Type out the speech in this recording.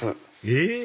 えっ？